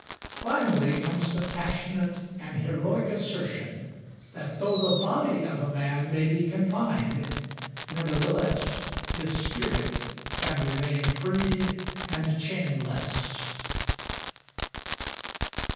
Finally comes the passionate and heroic assertion that though the body of a man may be confined, nevertheless his spirit can remain free and chainless.